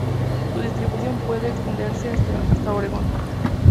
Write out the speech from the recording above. Su distribución puede extenderse hasta Oregon.